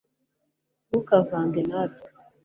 ntukavange natwe